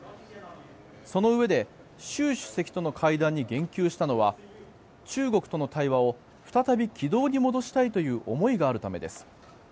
そのうえで習主席との会談に言及したのは中国との対話を再び軌道に戻したいという思いがあるためです。